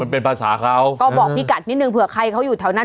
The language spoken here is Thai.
เป็นภาษาเขาก็บอกพี่กัดนิดนึงเผื่อใครเขาอยู่แถวนั้น